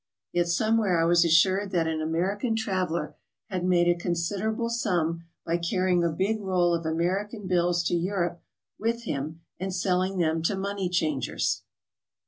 Yet somewhere I was assured that an American traveler had made a considerable sum by carrying a big roll of American bills to Europe with him and selling them to money changers.